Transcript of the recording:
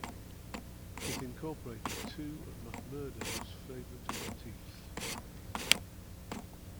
It incorporated two of Mackmurdo's favourite motifs.